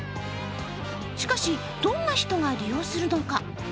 しかし、どんな人が利用するのか。